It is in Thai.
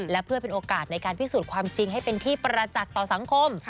และเพื่อเป็นโอกาสในการพิสูจน์ความจริงให้เป็นที่ประจักษ์ต่อสังคม